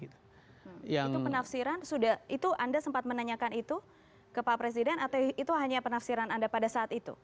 itu penafsiran itu anda sempat menanyakan itu ke pak presiden atau itu hanya penafsiran anda pada saat itu